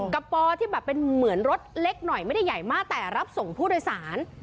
กระปอที่แบบเป็นเหมือนรถเล็กหน่อยไม่ได้ใหญ่มากแต่รับส่งผู้โดยสาร